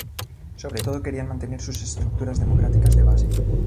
Sobre todo querían mantener sus estructuras democráticas de base.